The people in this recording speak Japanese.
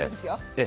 ええ。